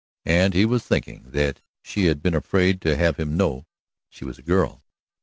And he was thinking that she had been afraid to have him know she was a girl.